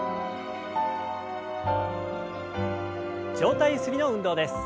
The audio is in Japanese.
上体ゆすりの運動です。